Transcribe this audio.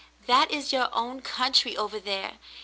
That is your own country over there.